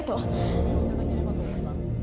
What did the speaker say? ご説明をいただければと思います